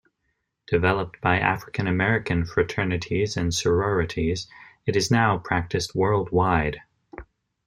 Developed by African-American fraternities and sororities, it is now practiced worldwide.